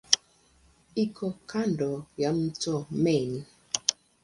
Iko kando ya mto Main.